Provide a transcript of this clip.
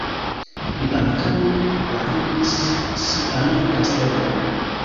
Li ankaŭ pligrandigis sian kastelon.